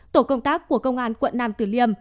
tổ công tác của công an quận năm từ liêm